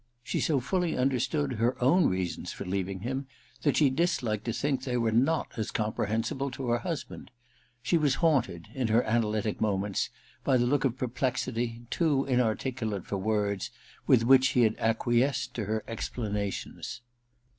She so fully understood her own reasons for leaving him that she disliked to think they were not as comprehensible to her husband. She was haunted, in her analytic moments, by the look of perplexity, too inarticulate for words, with which he had acquiesced in her explanations.